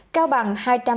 cao bằng hai trăm một mươi